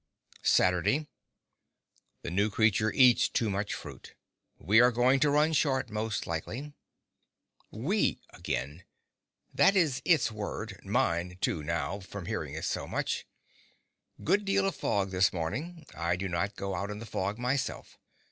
Saturday The new creature eats too much fruit. We are going to run short, most likely. "We" again—that is its word; mine too, now, from hearing it so much. Good deal of fog this morning. I do not go out in the fog myself.